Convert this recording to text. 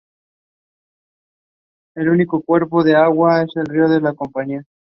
El único cuerpo de agua es el río La Compañía.